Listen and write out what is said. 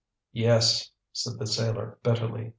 "Yes," said the sailor bitterly.